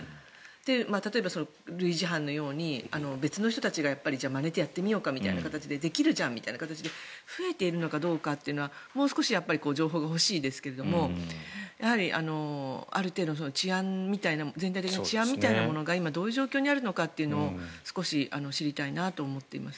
例えば類似犯のように別の人たちがやっぱりまねてやってみようかみたいな形でできるじゃんみたいな形で増えているのかどうかというのはもう少し情報が欲しいですがやはりある程度の全体的な治安みたいなものが今、どういう状況にあるのかというのを少し知りたいなと思っています。